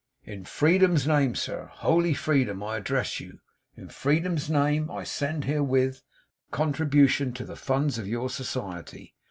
'"In Freedom's name, sir holy Freedom I address you. In Freedom's name, I send herewith a contribution to the funds of your society.